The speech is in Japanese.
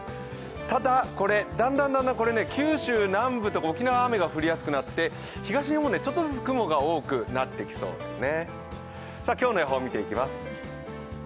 ただ、だんだん九州南部とか沖縄、雨が降りやすくなって東日本でちょっとずつ雲が多くなってきそうですね。